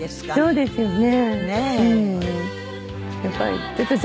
そうですよね。